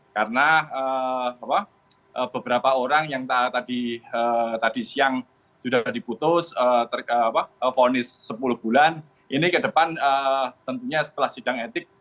karena beberapa orang yang tadi siang sudah diputus fonis sepuluh bulan ini ke depan tentunya setelah sidang etik